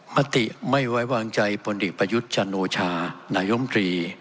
มติไม่ไว้วางใจพลเอกประยุทธ์จันโอชานายมตรี